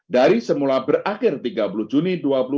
dari semula berakhir tiga puluh juni dua ribu dua puluh